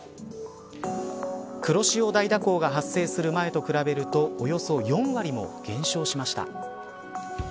黒潮大蛇行が発生する前と比べるとおよそ４割も減少しました。